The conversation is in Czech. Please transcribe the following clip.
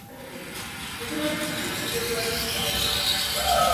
Byl delegátem Shromáždění zastupitelů a členem Zákonodárného shromáždění.